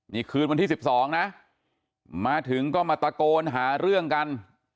นี่คืนวันที่๑๒นะมาถึงก็มาตะโกนหาเรื่องกัน